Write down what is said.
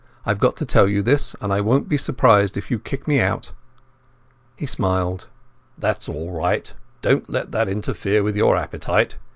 I've got to tell you this, and I won't be surprised if you kick me out." He smiled. "That's all right. Don't let that interfere with your appetite.